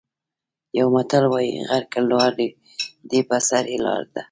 یو متل وايي: غر که لوړ دی په سر یې لاره ده.